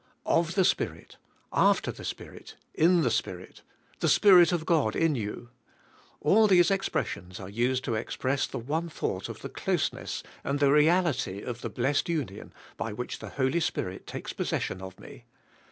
''^ "Of the Spirit," "After the Spirit," "In the Spirit," '' The Spirit of God in you. " All these expressions are used to express the one thoug'ht of the closeness, and the reality of the blessed union by which the Holy Spirit takes possession of me.